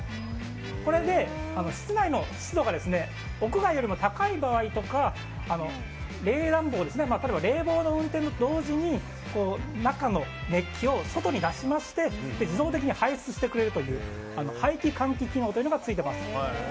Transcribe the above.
これで、室内の湿度が屋外よりも高い場合とか冷暖房例えば冷房の運転と同時に中の熱気を外に出しまして自動的に排出してくれるという排気換気機能というのがついています。